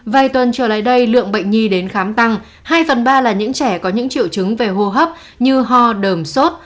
vài tuần trở lại đây lượng bệnh nhi đến khám tăng hai phần ba là những trẻ có những triệu chứng về hô hấp như ho đờm sốt